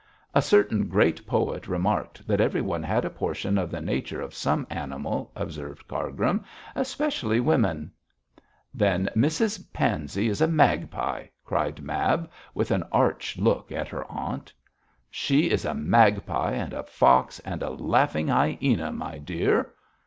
'A certain great poet remarked that everyone had a portion of the nature of some animal,' observed Cargrim, 'especially women.' 'Then Mrs Pansey is a magpie,' cried Mab, with an arch look at her aunt. 'She is a magpie, and a fox, and a laughing hyæna, my dear.'